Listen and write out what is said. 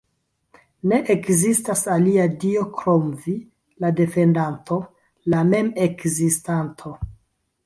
Ne ekzistas alia Dio krom Vi, la Defendanto, la Mem-Ekzistanto.